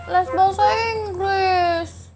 les bahasa inggris